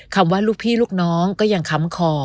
ว่าลูกพี่ลูกน้องก็ยังค้ำคอ